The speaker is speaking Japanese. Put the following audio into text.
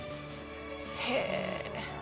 へえ。